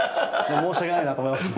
申し訳ないなと思いますね。